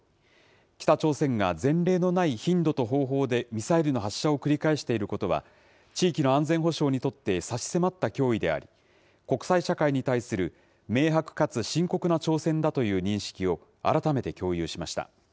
北朝鮮が前例のない頻度と方法でミサイルの発射を繰り返していることは、地域の安全保障にとって差し迫った脅威であり、国際社会に対する明白かつ深刻な挑戦だという認識を改めて共有しました。